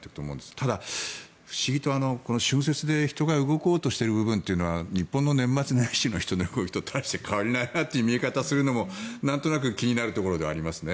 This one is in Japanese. ただ、不思議と春節で人が動こうとしている部分は日本の年末年始の人出の動きと大して変わりないなというのもなんとなく気になるところではありますね。